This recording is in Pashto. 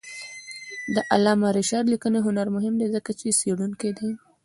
د علامه رشاد لیکنی هنر مهم دی ځکه چې څېړونکی دی.